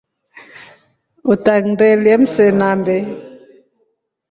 Utangindelye msinambe.